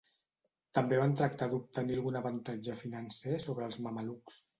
També van tractar d'obtenir algun avantatge financer sobre els mamelucs.